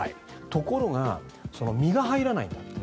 ところが身が入らないんだって。